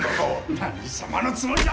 何様のつもりだ！